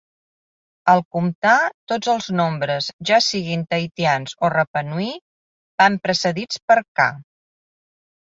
Al comptar, tots els nombres, ja siguin tahitians o rapanui, van precedits per "ka".